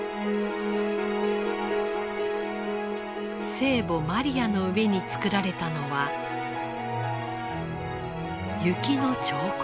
聖母マリアの上に作られたのは雪の彫刻。